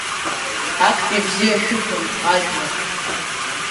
Актәи бзиа шәықәын, ажәлар!